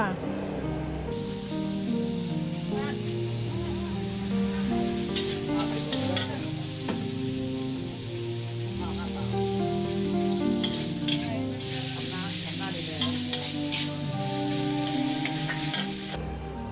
เอาด้วยแล้วครับ